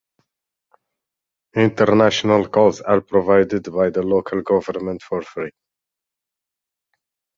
International Calls are provided by the Local Government for free.